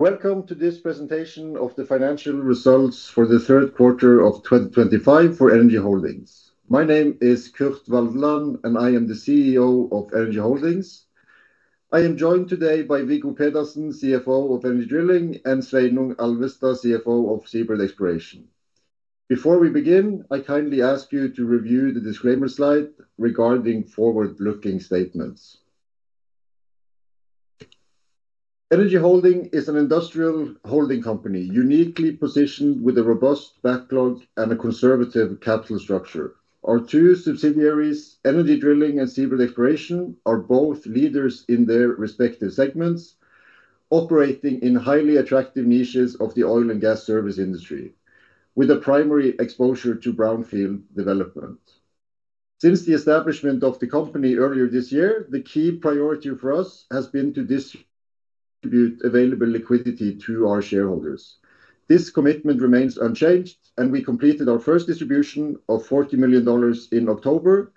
Welcome to this presentation of the financial results for the Third Quarter of 2025 for Energy Holdings. My name is Kurt Waldeland, and I am the CEO of Energy Holdings. I am joined today by Viggo Pedersen, CFO of Energy Drilling, and Sveinung Alvestad, CFO of SeaBird Exploration. Before we begin, I kindly ask you to review the disclaimer slide regarding forward-looking statements. Energy Holdings is an industrial holding company uniquely positioned with a robust backlog and a conservative capital structure. Our two subsidiaries, Energy Drilling and SeaBird Exploration, are both leaders in their respective segments, operating in highly attractive niches of the oil and gas service industry, with a primary exposure to brownfield development. Since the establishment of the company earlier this year, the key priority for us has been to distribute available liquidity to our shareholders. This commitment remains unchanged, and we completed our first distribution of $40 million in October,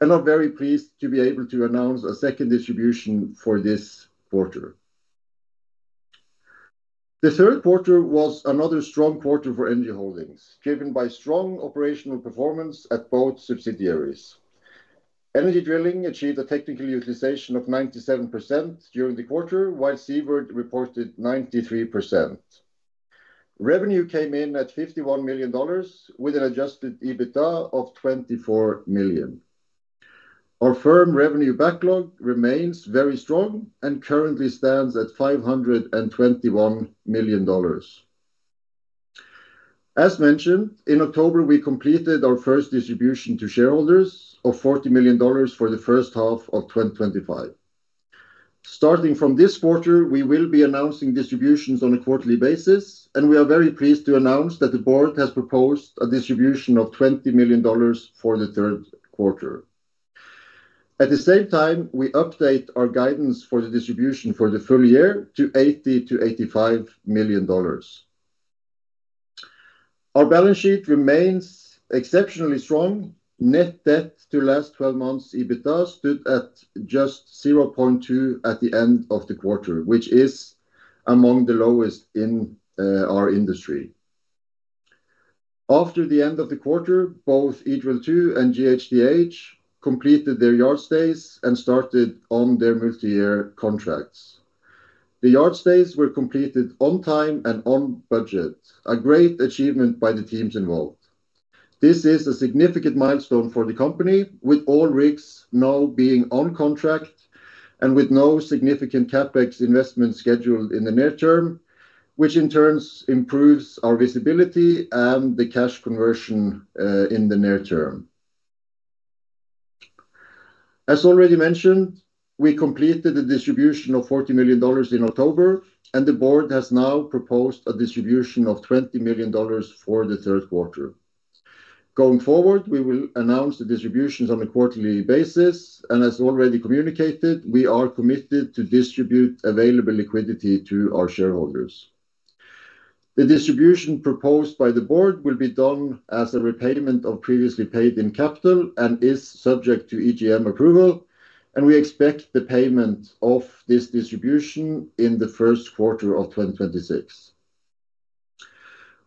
and are very pleased to be able to announce a second distribution for this quarter. The third quarter was another strong quarter for Energy Holdings, driven by strong operational performance at both subsidiaries. Energy Drilling achieved a technical utilization of 97% during the quarter, while SeaBird reported 93%. Revenue came in at $51 million, with an adjusted EBITDA of $24 million. Our firm revenue backlog remains very strong and currently stands at $521 million. As mentioned, in October, we completed our first distribution to shareholders of $40 million for the first half of 2025. Starting from this quarter, we will be announcing distributions on a quarterly basis, and we are very pleased to announce that the board has proposed a distribution of $20 million for the third quarter. At the same time, we update our guidance for the distribution for the full year to $80-$85 million. Our balance sheet remains exceptionally strong. Net debt to last 12 months EBITDA stood at just 0.2 at the end of the quarter, which is among the lowest in our industry. After the end of the quarter, both Eagle II and GHTH completed their yard stays and started on their multi-year contracts. The yard stays were completed on time and on budget, a great achievement by the teams involved. This is a significant milestone for the company, with all rigs now being on contract and with no significant CapEx investments scheduled in the near term, which in turn improves our visibility and the cash conversion in the near term. As already mentioned, we completed the distribution of $40 million in October, and the board has now proposed a distribution of $20 million for the third quarter. Going forward, we will announce the distributions on a quarterly basis, and as already communicated, we are committed to distribute available liquidity to our shareholders. The distribution proposed by the board will be done as a repayment of previously paid in capital and is subject to EGM approval, and we expect the payment of this distribution in the first quarter of 2026.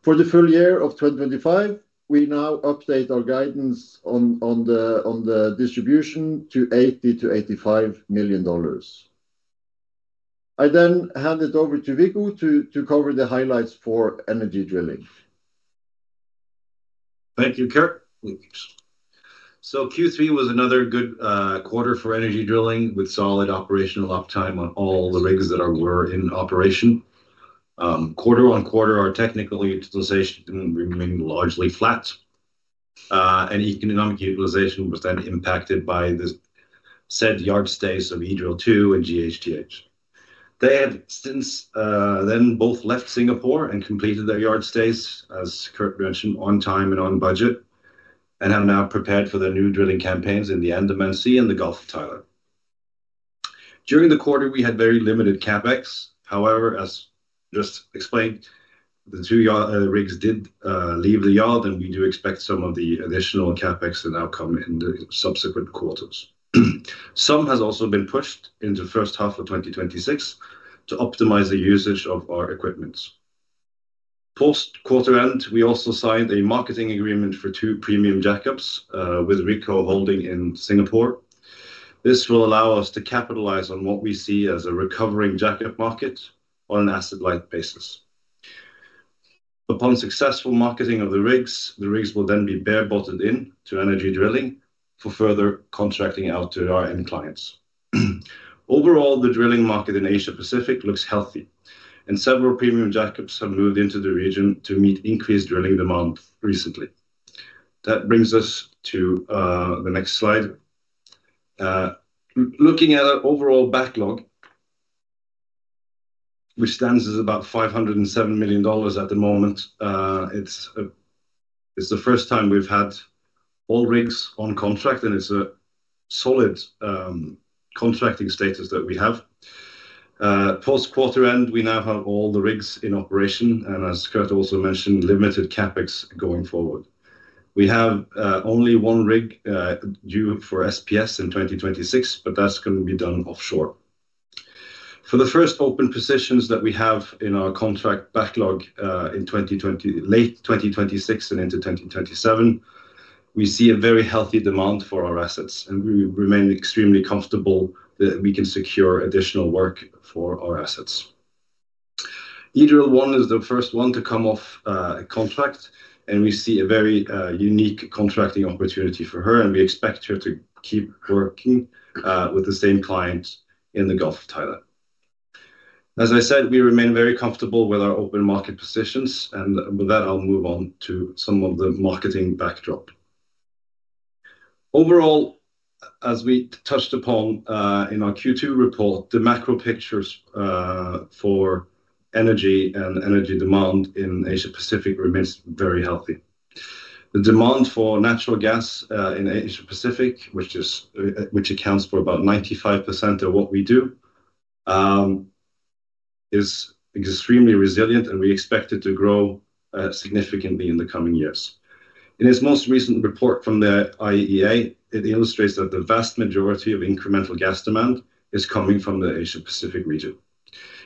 For the full year of 2025, we now update our guidance on the distribution to $80-$85 million. I then hand it over to Viggo to cover the highlights for Energy Drilling. Thank you, Kurt. Q3 was another good quarter for Energy Drilling, with solid operational uptime on all the rigs that were in operation. Quarter-on-quarter, our technical utilization remained largely flat, and economic utilization was then impacted by the said yard stays of Eagle II and GHTH. They have since then both left Singapore and completed their yard stays, as Kurt mentioned, on time and on budget, and have now prepared for their new drilling campaigns in the Andaman Sea and the Gulf of Thailand. During the quarter, we had very limited CapEx. However, as just explained, the two rigs did leave the yard, and we do expect some of the additional CapEx to now come in the subsequent quarters. Some has also been pushed into the first half of 2026 to optimize the usage of our equipment. Post quarter end, we also signed a marketing agreement for two premium jackups with Ricoh Holding in Singapore. This will allow us to capitalize on what we see as a recovering jackup market on an asset-light basis. Upon successful marketing of the rigs, the rigs will then be barebottomed into Energy Drilling for further contracting out to our end clients. Overall, the drilling market in Asia-Pacific looks healthy, and several premium jackups have moved into the region to meet increased drilling demand recently. That brings us to the next slide. Looking at our overall backlog, which stands at about $507 million at the moment, it's the first time we've had all rigs on contract, and it's a solid contracting status that we have. Post quarter end, we now have all the rigs in operation, and as Kurt also mentioned, limited CapEx going forward. We have only one rig due for SPS in 2026, but that's going to be done offshore. For the first open positions that we have in our contract backlog in late 2026 and into 2027, we see a very healthy demand for our assets, and we remain extremely comfortable that we can secure additional work for our assets. Eagle I is the first one to come off contract, and we see a very unique contracting opportunity for her, and we expect her to keep working with the same client in the Gulf of Thailand. As I said, we remain very comfortable with our open market positions, and with that, I'll move on to some of the marketing backdrop. Overall, as we touched upon in our Q2 report, the macro picture for energy and energy demand in Asia-Pacific remains very healthy. The demand for natural gas in Asia-Pacific, which accounts for about 95% of what we do, is extremely resilient, and we expect it to grow significantly in the coming years. In its most recent report from the IEA, it illustrates that the vast majority of incremental gas demand is coming from the Asia-Pacific region.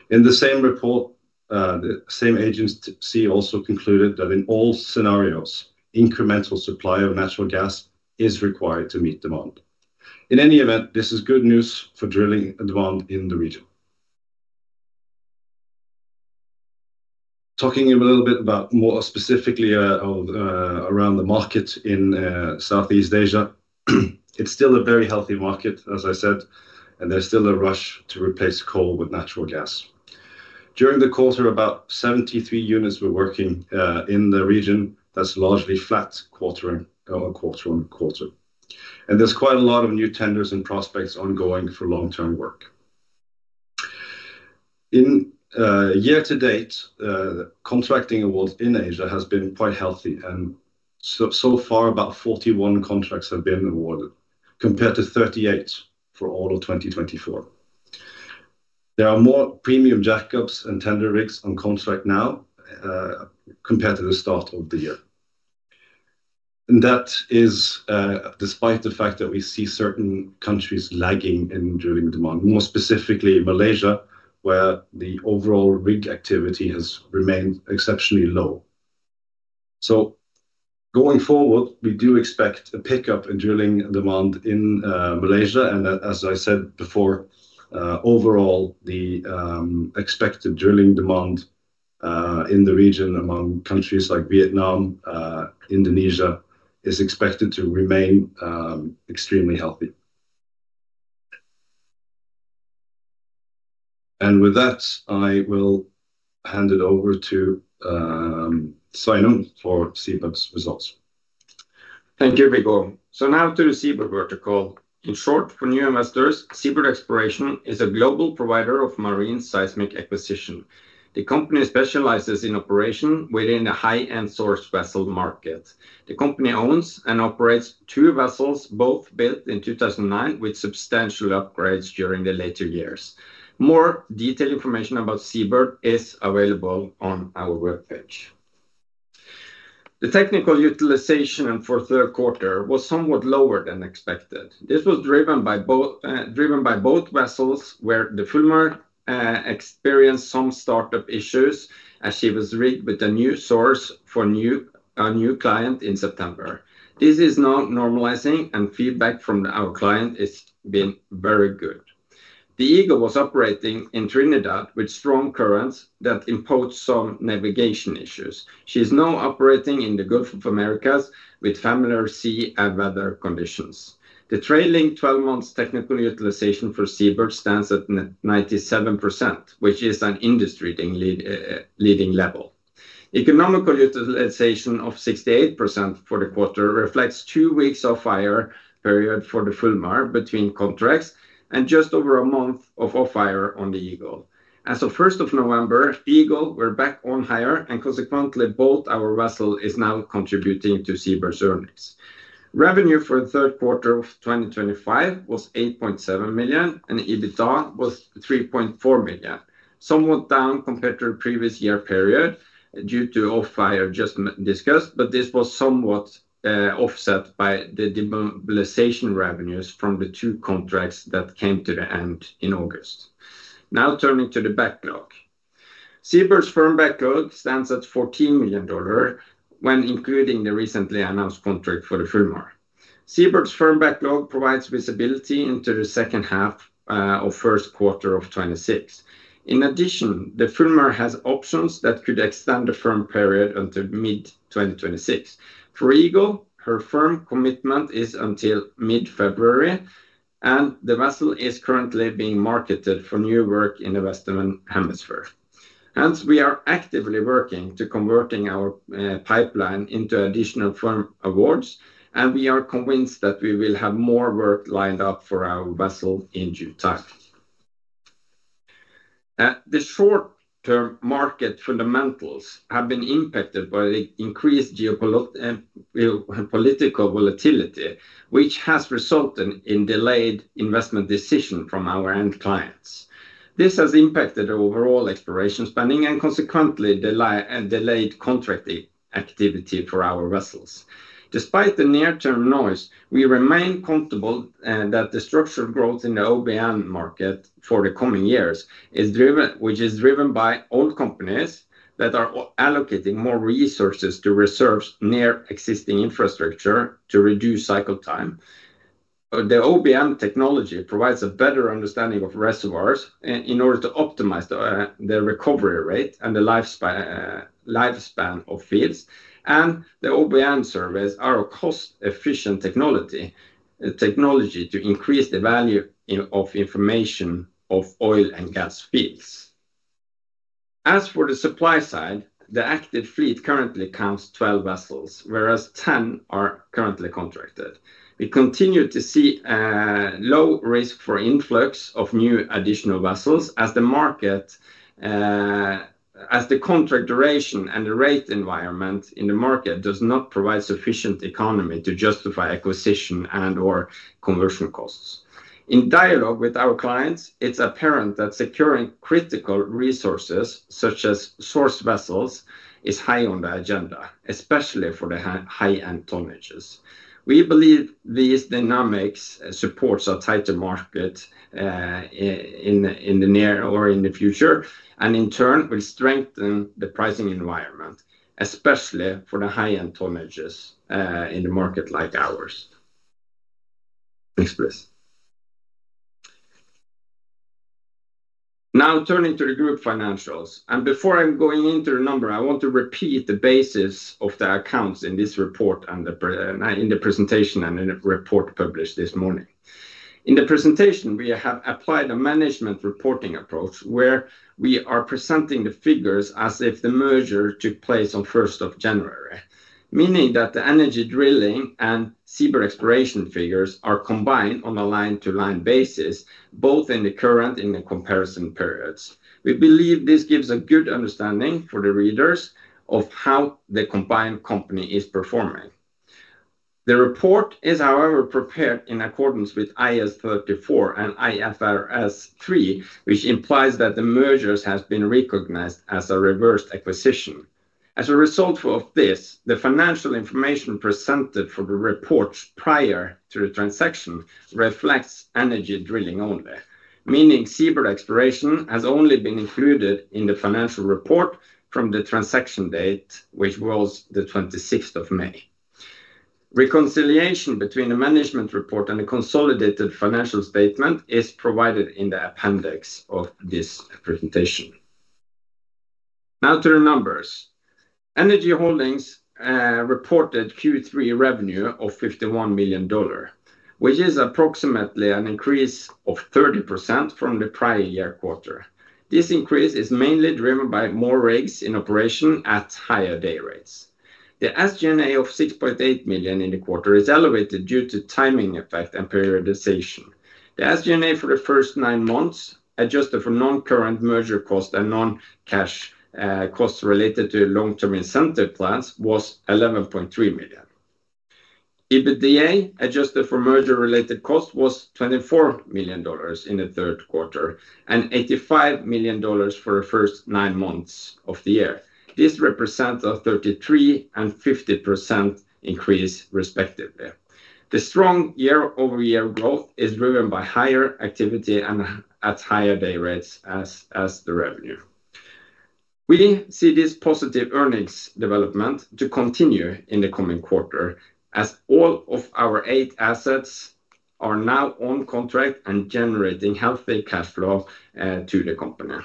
In the same report, the same agency also concluded that in all scenarios, incremental supply of natural gas is required to meet demand. In any event, this is good news for drilling demand in the region. Talking a little bit about more specifically around the market in Southeast Asia, it's still a very healthy market, as I said, and there's still a rush to replace coal with natural gas. During the quarter, about 73 units were working in the region. That's largely flat quarter on quarter. There is quite a lot of new tenders and prospects ongoing for long-term work. In year-to-date, contracting awards in Asia have been quite healthy, and so far, about 41 contracts have been awarded, compared to 38 for all of 2024. There are more premium jackups and tender rigs on contract now compared to the start of the year. That is despite the fact that we see certain countries lagging in drilling demand, more specifically Malaysia, where the overall rig activity has remained exceptionally low. Going forward, we do expect a pickup in drilling demand in Malaysia, and as I said before, overall, the expected drilling demand in the region among countries like Vietnam and Indonesia is expected to remain extremely healthy. With that, I will hand it over to Sveinung for SeaBird's results. Thank you, Viggo. Now to the SeaBird protocol. In short, for new investors, SeaBird Exploration is a global provider of marine seismic acquisition. The company specializes in operation within the high-end source vessel market. The company owns and operates two vessels, both built in 2009, with substantial upgrades during the later years. More detailed information about SeaBird is available on our web page. The technical utilization for the third quarter was somewhat lower than expected. This was driven by both vessels, where the Fulmar experienced some startup issues as she was rigged with a new source for a new client in September. This is now normalizing, and feedback from our client has been very good. The Eagle Explorer was operating in Trinidad with strong currents that imposed some navigation issues. She is now operating in the Gulf of Mexico with familiar sea and weather conditions. The trailing 12 months technical utilization for SeaBird stands at 97%, which is an industry-leading level. Economical utilization of 68% for the quarter reflects two weeks of idle period for the Fulmar between contracts and just over a month of off-hire on the Eagle Explorer. As of 1 November, Eagle Explorer was back on hire, and consequently, both our vessels are now contributing to SeaBird's earnings. Revenue for the third quarter of 2025 was $8.7 million, and EBITDA was $3.4 million, somewhat down compared to the previous year period due to off-hire just discussed, but this was somewhat offset by the demobilization revenues from the two contracts that came to the end in August. Now turning to the backlog, SeaBird's firm backlog stands at $14 million when including the recently announced contract for the Fulmar. SeaBird's firm backlog provides visibility into the second half of the first quarter of 2026. In addition, the Fulmar has options that could extend the firm period until mid-2026. For Eagle, her firm commitment is until mid-February, and the vessel is currently being marketed for new work in the Western Hemisphere. Hence, we are actively working to convert our pipeline into additional firm awards, and we are convinced that we will have more work lined up for our vessel in due time. The short-term market fundamentals have been impacted by the increased geopolitical volatility, which has resulted in delayed investment decisions from our end clients. This has impacted overall exploration spending and consequently delayed contracting activity for our vessels. Despite the near-term noise, we remain comfortable that the structural growth in the OBN market for the coming years is driven by oil companies that are allocating more resources to reserves near existing infrastructure to reduce cycle time. The OBN technology provides a better understanding of reservoirs in order to optimize the recovery rate and the lifespan of fields, and the OBN service is a cost-efficient technology to increase the value of information of oil and gas fields. As for the supply side, the active fleet currently counts 12 vessels, whereas 10 are currently contracted. We continue to see a low risk for influx of new additional vessels as the contract duration and the rate environment in the market does not provide sufficient economy to justify acquisition and/or conversion costs. In dialogue with our clients, it's apparent that securing critical resources such as source vessels is high on the agenda, especially for the high-end tonnages. We believe these dynamics support a tighter market in the near or in the future, and in turn, will strengthen the pricing environment, especially for the high-end tonnages in a market like ours. Thanks, Chris. Now turning to the group financials. Before I'm going into the number, I want to repeat the basis of the accounts in this report and in the presentation and in the report published this morning. In the presentation, we have applied a management reporting approach where we are presenting the figures as if the merger took place on 1 January, meaning that the Energy Drilling and SeaBird Exploration figures are combined on a line-to-line basis, both in the current and in the comparison periods. We believe this gives a good understanding for the readers of how the combined company is performing. The report is, however, prepared in accordance with IAS 34 and IFRS 3, which implies that the mergers have been recognized as a reversed acquisition. As a result of this, the financial information presented for the reports prior to the transaction reflects Energy Drilling only, meaning SeaBird Exploration has only been included in the financial report from the transaction date, which was the 26th of May. Reconciliation between the management report and the consolidated financial statement is provided in the appendix of this presentation. Now to the numbers. Energy Holdings reported Q3 revenue of $51 million, which is approximately an increase of 30% from the prior year quarter. This increase is mainly driven by more rigs in operation at higher day rates. The SG&A of $6.8 million in the quarter is elevated due to timing effect and periodization. The SG&A for the first nine months, adjusted for non-current merger costs and non-cash costs related to long-term incentive plans, was $11.3 million. EBITDA, adjusted for merger-related costs, was $24 million in the third quarter and $85 million for the first nine months of the year. This represents a 33% and 50% increase, respectively. The strong year-over-year growth is driven by higher activity and at higher day rates as the revenue. We see this positive earnings development to continue in the coming quarter as all of our eight assets are now on contract and generating healthy cash flow to the company.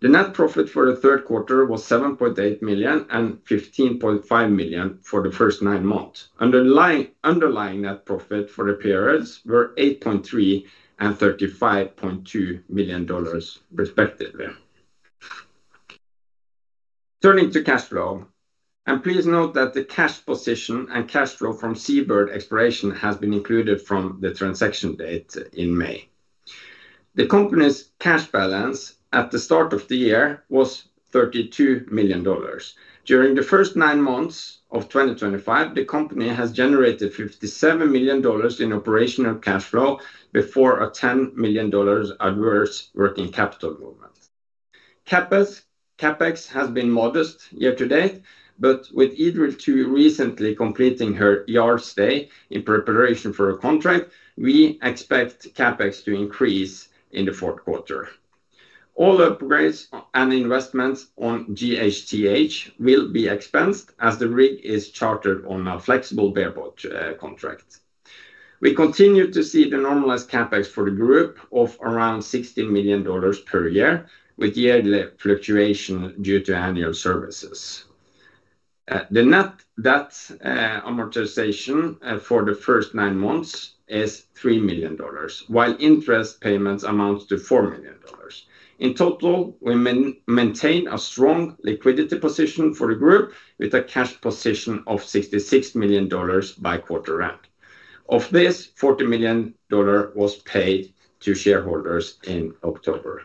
The net profit for the third quarter was $7.8 million and $15.5 million for the first nine months. Underlying net profit for the periods were $8.3 and $35.2 million, respectively. Turning to cash flow, and please note that the cash position and cash flow from SeaBird Exploration have been included from the transaction date in May. The company's cash balance at the start of the year was $32 million. During the first nine months of 2025, the company has generated $57 million in operational cash flow before a $10 million adverse working capital movement. CapEx has been modest year-to-date, but with Eagle recently completing her yard stay in preparation for a contract, we expect CapEx to increase in the fourth quarter. All upgrades and investments on GHTH will be expensed as the rig is chartered on a flexible bear-bottom contract. We continue to see the normalized CapEx for the group of around $60 million per year, with yearly fluctuation due to annual services. The net debt amortization for the first nine months is $3 million, while interest payments amount to $4 million. In total, we maintain a strong liquidity position for the group with a cash position of $66 million by quarter end. Of this, $40 million was paid to shareholders in October.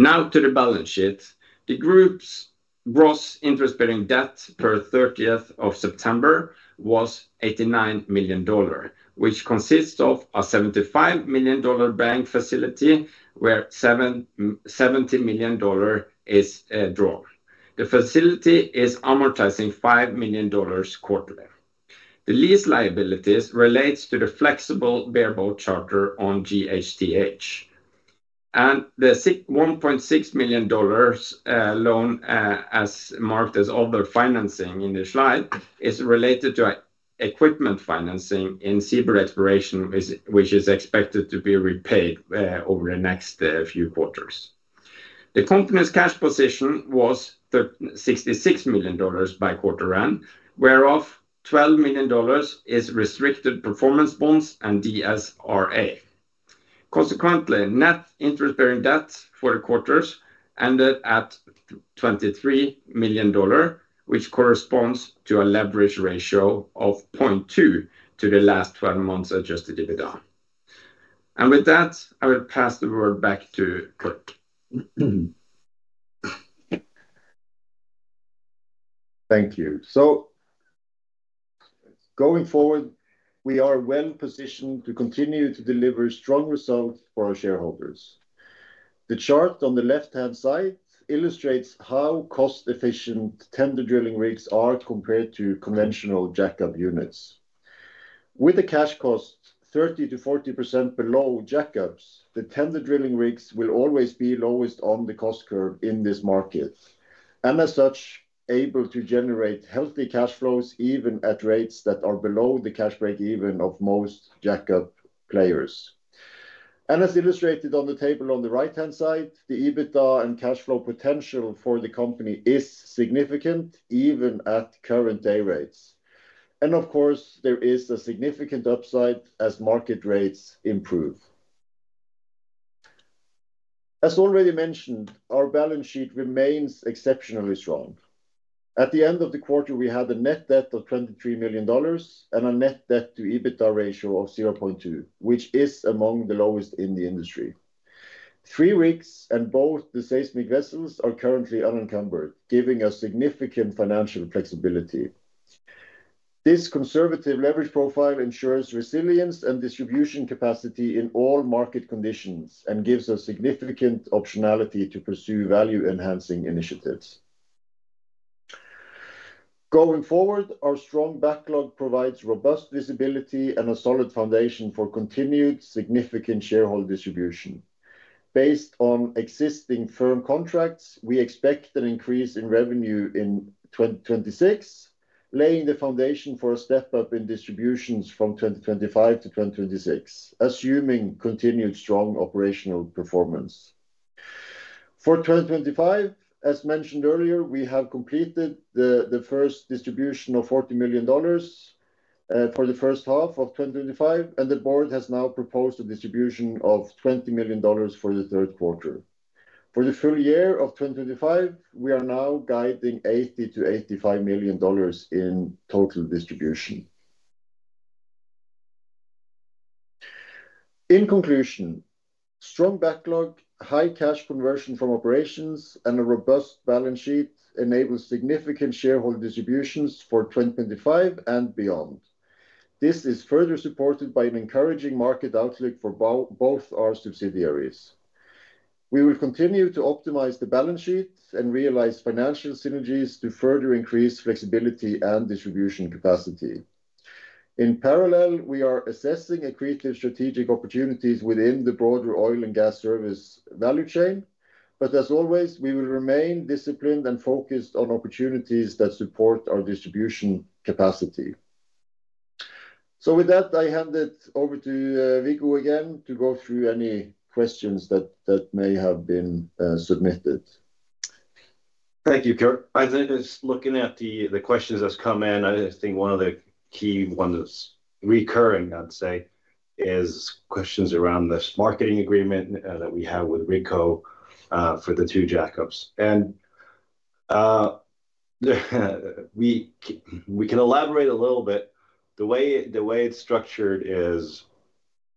Now to the balance sheet. The group's gross interest-bearing debt per 30 September was $89 million, which consists of a $75 million bank facility where $70 million is drawn. The facility is amortizing $5 million quarterly. The lease liabilities relate to the flexible bare-bottom charter on GHTH. The $1.6 million loan, as marked as other financing in the slide, is related to equipment financing in SeaBird Exploration, which is expected to be repaid over the next few quarters. The company's cash position was $66 million by quarter end, whereof $12 million is restricted performance bonds and DSRA. Consequently, net interest-bearing debt for the quarter ended at $23 million, which corresponds to a leverage ratio of 0.2 to the last 12 months' adjusted EBITDA. With that, I will pass the word back to Kurt. Thank you. Going forward, we are well positioned to continue to deliver strong results for our shareholders. The chart on the left-hand side illustrates how cost-efficient tender drilling rigs are compared to conventional jackup units. With a cash cost 30%-40% below jackups, the tender drilling rigs will always be lowest on the cost curve in this market, and as such, able to generate healthy cash flows even at rates that are below the cash break-even of most jackup players. As illustrated on the table on the right-hand side, the EBITDA and cash flow potential for the company is significant even at current day rates. Of course, there is a significant upside as market rates improve. As already mentioned, our balance sheet remains exceptionally strong. At the end of the quarter, we had a net debt of $23 million and a net debt-to-EBITDA ratio of 0.2, which is among the lowest in the industry. Three rigs and both the seismic vessels are currently unencumbered, giving us significant financial flexibility. This conservative leverage profile ensures resilience and distribution capacity in all market conditions and gives us significant optionality to pursue value-enhancing initiatives. Going forward, our strong backlog provides robust visibility and a solid foundation for continued significant shareholder distribution. Based on existing firm contracts, we expect an increase in revenue in 2026, laying the foundation for a step-up in distributions from 2025 to 2026, assuming continued strong operational performance. For 2025, as mentioned earlier, we have completed the first distribution of $40 million for the first half of 2025, and the board has now proposed a distribution of $20 million for the third quarter. For the full year of 2025, we are now guiding $80-$85 million in total distribution. In conclusion, strong backlog, high cash conversion from operations, and a robust balance sheet enable significant shareholder distributions for 2025 and beyond. This is further supported by an encouraging market outlook for both our subsidiaries. We will continue to optimize the balance sheet and realize financial synergies to further increase flexibility and distribution capacity. In parallel, we are assessing accretive strategic opportunities within the broader oil and gas service value chain, but as always, we will remain disciplined and focused on opportunities that support our distribution capacity. With that, I hand it over to Viggo again to go through any questions that may have been submitted. Thank you, Kurt. I think just looking at the questions that have come in, I think one of the key ones that's recurring, I'd say, is questions around this marketing agreement that we have with Ricoh for the two jackups. We can elaborate a little bit. The way it's structured is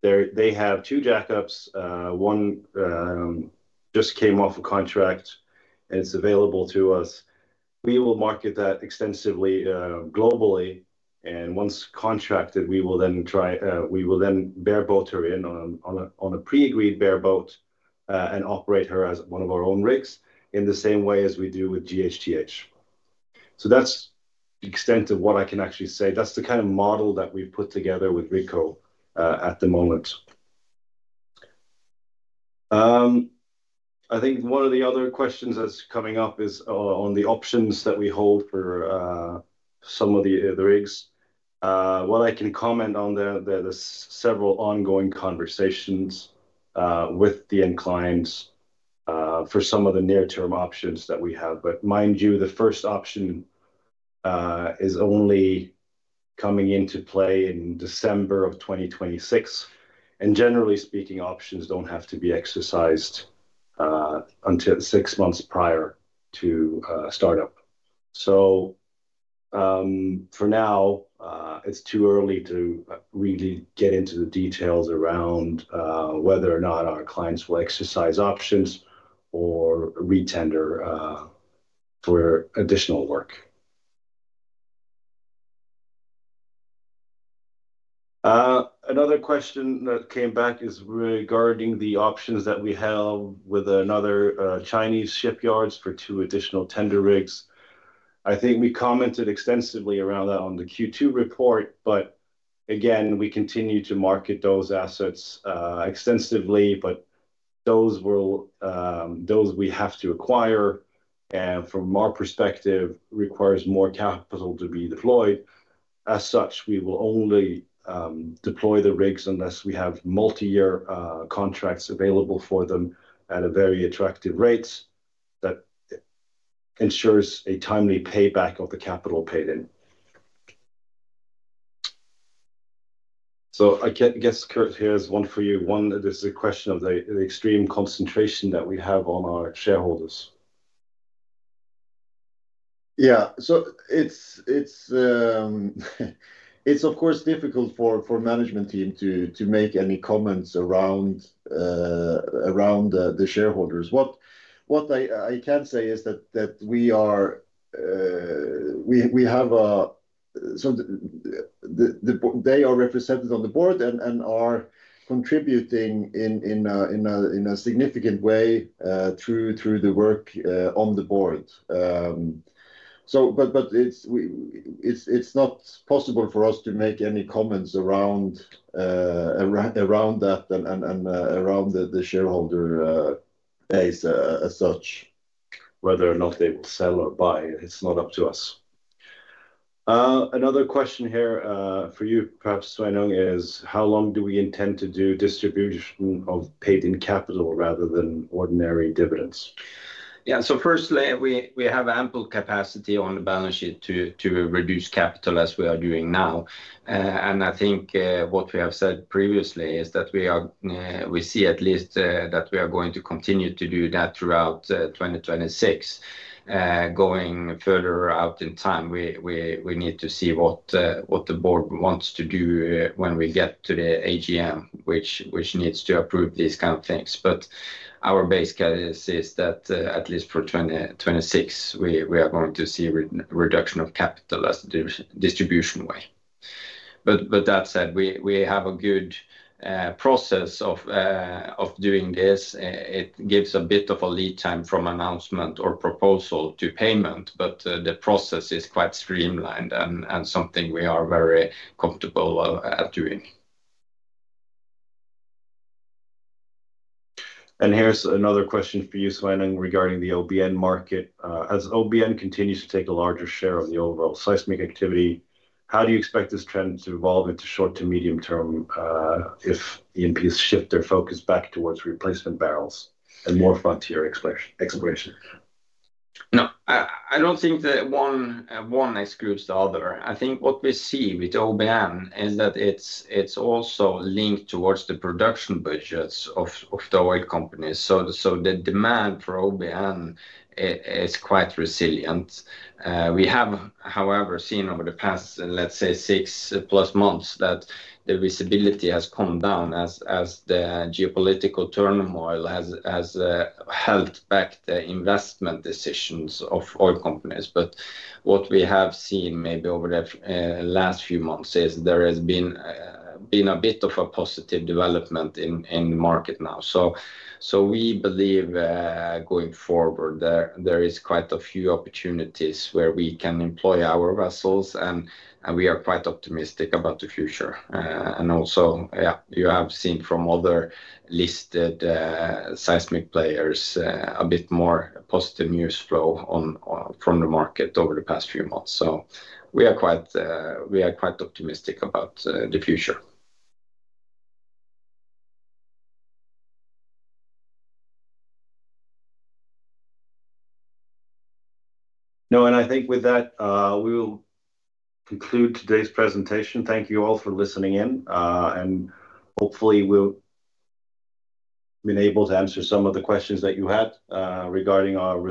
they have two jackups. One just came off a contract, and it's available to us. We will market that extensively globally. Once contracted, we will then bare-bottom her in on a pre-agreed bare-bottom and operate her as one of our own rigs in the same way as we do with GHTH. That's the extent of what I can actually say. That's the kind of model that we've put together with Ricoh at the moment. I think one of the other questions that's coming up is on the options that we hold for some of the rigs. What I can comment on there, there's several ongoing conversations with the clients for some of the near-term options that we have. Mind you, the first option is only coming into play in December of 2026. Generally speaking, options do not have to be exercised until six months prior to startup. For now, it's too early to really get into the details around whether or not our clients will exercise options or re-tender for additional work. Another question that came back is regarding the options that we have with another Chinese shipyard for two additional tender rigs. I think we commented extensively around that on the Q2 report. Again, we continue to market those assets extensively, but those we have to acquire, and from our perspective, requires more capital to be deployed. As such, we will only deploy the rigs unless we have multi-year contracts available for them at a very attractive rate that ensures a timely payback of the capital paid in. I guess, Kurt, here's one for you. One, this is a question of the extreme concentration that we have on our shareholders. Yeah. It is, of course, difficult for the management team to make any comments around the shareholders. What I can say is that they are represented on the board and are contributing in a significant way through the work on the board. It is not possible for us to make any comments around that and around the shareholder base as such. Whether or not they will sell or buy, it's not up to us. Another question here for you, perhaps, Tuan Yong, is how long do we intend to do distribution of paid-in capital rather than ordinary dividends? Yeah. Firstly, we have ample capacity on the balance sheet to reduce capital as we are doing now. I think what we have said previously is that we see at least that we are going to continue to do that throughout 2026. Going further out in time, we need to see what the board wants to do when we get to the AGM, which needs to approve these kind of things. Our base case is that at least for 2026, we are going to see a reduction of capital as a distribution way. That said, we have a good process of doing this. It gives a bit of a lead time from announcement or proposal to payment, but the process is quite streamlined and something we are very comfortable at doing. Here is another question for you, Tuan Yong, regarding the OBN market. As OBN continues to take a larger share of the overall seismic activity, how do you expect this trend to evolve in the short to medium term if ENPs shift their focus back towards replacement barrels and more frontier exploration? No. I do not think that one excludes the other. I think what we see with OBN is that it is also linked towards the production budgets of the oil companies. So the demand for OBN is quite resilient. We have, however, seen over the past, let's say, six-plus months that the visibility has come down as the geopolitical turmoil has held back the investment decisions of oil companies. What we have seen maybe over the last few months is there has been a bit of a positive development in the market now. We believe going forward, there are quite a few opportunities where we can employ our vessels, and we are quite optimistic about the future. Also, you have seen from other listed seismic players a bit more positive news flow from the market over the past few months. We are quite optimistic about the future. No, I think with that, we will conclude today's presentation. Thank you all for listening in. Hopefully, we've been able to answer some of the questions that you had regarding our.